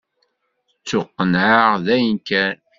Ttuqennεeɣ dayen kan.